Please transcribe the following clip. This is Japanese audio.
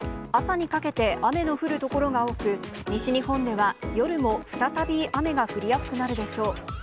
朝にかけて雨の降る所が多く、西日本では、夜も再び雨が降りやすくなるでしょう。